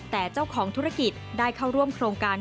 แต่เจ้าของธุรกิจได้เข้าร่วมโครงการ